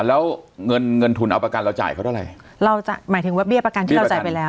แล้วเงินเงินทุนเอาประกันเราจ่ายเขาเท่าไหร่เราจะหมายถึงว่าเบี้ยประกันที่เราจ่ายไปแล้ว